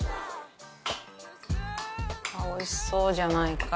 ああおいしそうじゃないか。